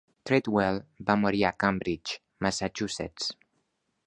Treadwell va morir a Cambridge, Massachusetts.